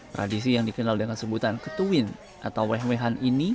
tradisi yang dikenal dengan sebutan ketuin atau weh wehan ini